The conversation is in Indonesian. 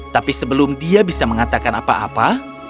tapi sebelum dia bisa mengatakan apa apa